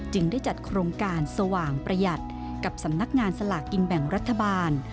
ได้จัดโครงการสว่างประหยัดกับสำนักงานสลากกินแบ่งรัฐบาล